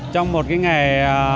trong một ngày